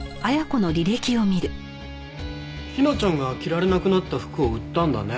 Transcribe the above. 陽菜ちゃんが着られなくなった服を売ったんだね。